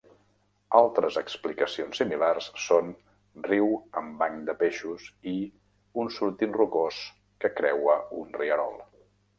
Altres explicacions similars són "riu amb bancs de peixos" i "un sortint rocós que creua un rierol".